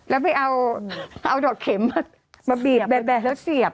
แล้วไปเอาดอกเข็มมาบีบแดดแล้วเสียบ